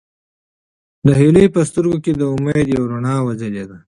د هیلې په سترګو کې د امید یوه رڼا وځلېده.